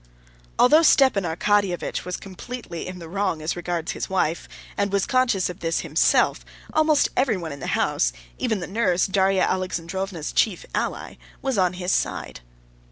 Although Stepan Arkadyevitch was completely in the wrong as regards his wife, and was conscious of this himself, almost everyone in the house (even the nurse, Darya Alexandrovna's chief ally) was on his side.